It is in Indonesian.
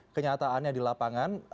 kenyataannya di lapangan